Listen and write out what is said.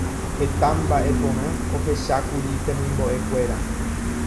Heta mbaʼe porã ohechákuri temimboʼekuéra.